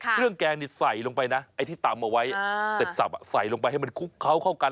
แกงนี่ใส่ลงไปนะไอ้ที่ตำเอาไว้เสร็จสับใส่ลงไปให้มันคลุกเคล้าเข้ากัน